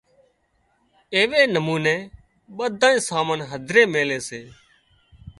ايوي نموني ٻڌونئين سامان هڌري ميلي سي